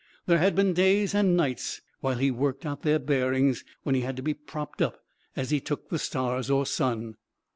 There had been days and nights while he worked out their bearings when he had to be propped up as he took the stars or sun.